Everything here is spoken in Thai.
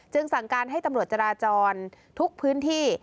สั่งการให้ตำรวจจราจรทุกพื้นที่